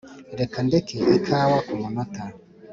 reka ndeke ikawa kumunota.